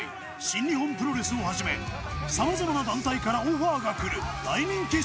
新日本プロレスをはじめさまざまな団体からオファーがくる大人気選手。